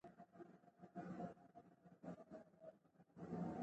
د قانون نه تطبیق د بې باورۍ فضا رامنځته کوي